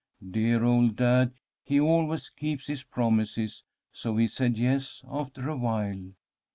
Dear old dad, he always keeps his promises, so he said yes after awhile.